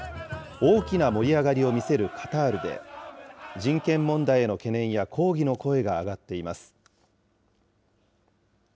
大きな盛り上がりを見せるカタールで、人権問題への懸念や抗議の声が上がっています。